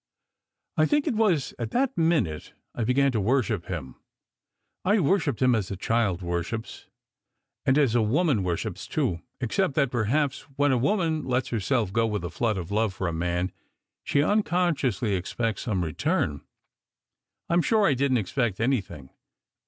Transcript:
I think it was at that minute I began to worship him. I worshipped him as a child worships, and as a woman worships, too; except that, perhaps, when a woman lets her self go with a flood of love for a man, she unconsciously expects some return. I m sure I didn t expect anything.